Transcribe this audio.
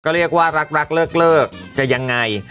ก็เรียกว่ารักรักเลิกเลิกจะยังไง